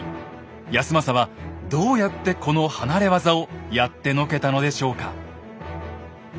康政はどうやってこの離れ業をやってのけたのでしょうか？